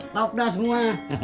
top dah semua